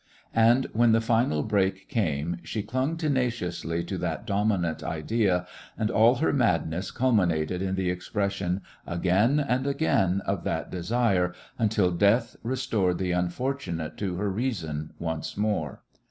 And when the final break came she clnng tenaciously to that dominant idea, and all her madness culminated in the expres sion again and again of that desire, until death restored the unfortunate to her reason once more.